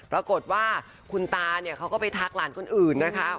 ปรากฏว่าคุณตาเนี่ยเขาก็ไปทักหลานคนอื่นนะคะ